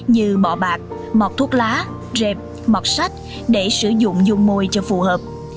như bọ bạc mọc thuốc lá rẹp mọc sách để sử dụng dung môi cho phù hợp